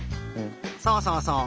そうそうそう！